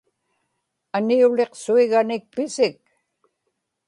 aniuliqsuiganikpisik